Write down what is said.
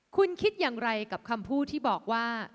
คุณคิดอย่างไรกับคำพูดที่บอกว่า